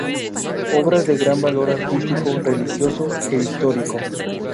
Obras de gran valor artístico, religioso e histórico.